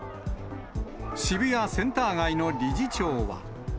渋谷センター街の理事長は。